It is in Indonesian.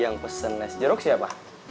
yang pesen es jeruk siapa